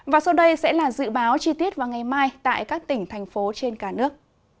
và sau đây sẽ là dự báo chi tiết vào ngày mai tại các tỉnh thành phố trên cả nước